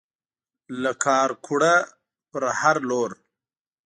له کارکوړه پر هر لور